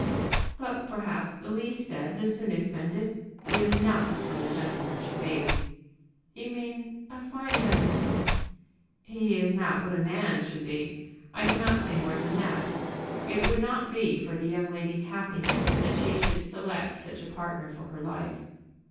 "But perhaps the least said the soonest mended. He is not what a gentleman should be." "You mean a fine gentleman." "He is not what a man should be. I cannot say more than that. It would not be for the young lady's happiness that she should select such a partner for her life."